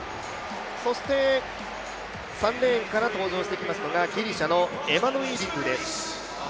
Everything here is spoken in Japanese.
そして３レーンから登場してきますので、ギリシャのエマヌイリドゥ選手です。